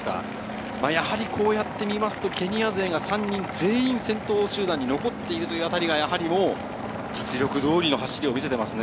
やはり、こうやって見ますと、ケニア勢が３人全員先頭集団に残っているあたりが実力通りの走りを見せていますね。